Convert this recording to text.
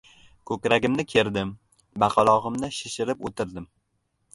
Ko‘kragimni kerdim, baqalog‘imni shishirib o‘tirdim.